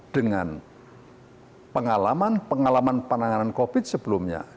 dengan pengalaman pengalaman pandangan covid sembilan belas sebelumnya